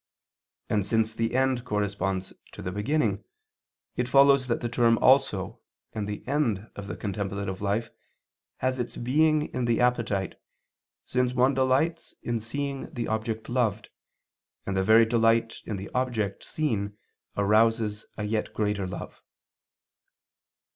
And since the end corresponds to the beginning, it follows that the term also and the end of the contemplative life has its being in the appetite, since one delights in seeing the object loved, and the very delight in the object seen arouses a yet greater love.